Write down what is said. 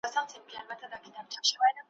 لکه خدای وي چاته نوی ژوند ورکړی `